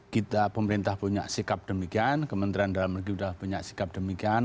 kita pemerintah punya sikap demikian kementerian dalam negeri sudah punya sikap demikian